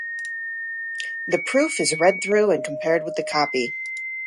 This proof is read through and compared with the copy.